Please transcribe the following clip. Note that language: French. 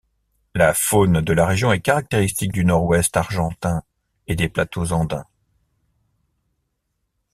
La faune de la région est caractéristique du nord-ouest argentin et des plateaux andins.